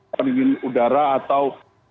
pendingin udara atau